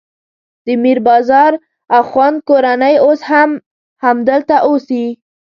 د میر بازار اخوند کورنۍ اوس هم همدلته اوسي.